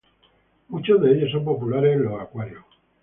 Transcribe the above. Muchos de ellos son populares en los acuarios.